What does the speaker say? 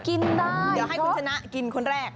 กินได้เดี๋ยวให้คุณชนะกินคนแรก